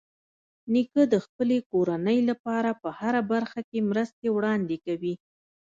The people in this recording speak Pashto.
نیکه د خپلې کورنۍ لپاره په هره برخه کې مرستې وړاندې کوي.